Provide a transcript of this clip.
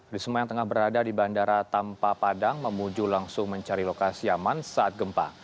risma yang tengah berada di bandara tampapadang mamuju langsung mencari lokasi aman saat gempa